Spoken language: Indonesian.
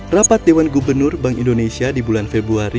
rapat dewan gubernur bank indonesia di bulan februari